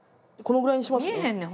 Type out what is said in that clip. このぐらいにしますね。